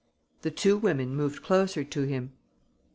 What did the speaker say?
The two women moved closer to him.